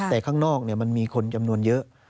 แต่ข้างนอกมันมีคนจำนวนเยอะ